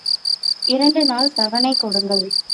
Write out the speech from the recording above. இரண்டு நாள் தவணை கொடுங்கள்.